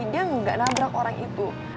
dia nggak nabrak orang itu